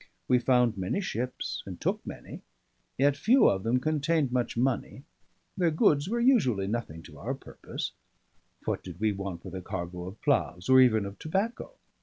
We found many ships, and took many; yet few of them contained much money, their goods were usually nothing to our purpose what did we want with a cargo of ploughs, or even of tobacco?